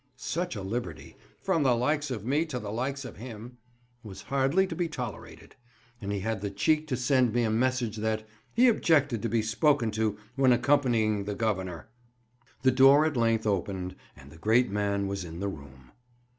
Such a liberty "from the likes of me to the likes of him" was hardly to be tolerated; and he had the cheek to send me a message that "he objected to be spoken to when accompanying the Governor." The door at length opened, and the great man was in the room.